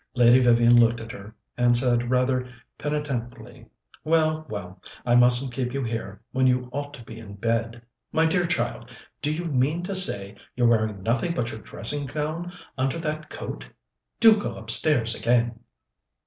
Lady Vivian looked at her, and said rather penitently: "Well, well, I mustn't keep you here when you ought to be in bed. My dear child, do you mean to say you're wearing nothing but your dressing gown under that coat? Do go upstairs again."